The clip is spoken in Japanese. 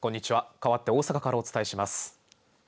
かわって大阪からお伝えします。